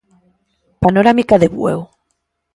Panorámica de Bueu.